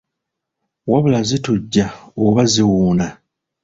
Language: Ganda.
Wabula zitujja oba ziwuuna.